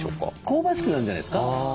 香ばしくなるんじゃないですか。